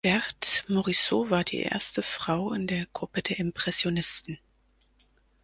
Berthe Morisot war die erste Frau in der Gruppe der Impressionisten.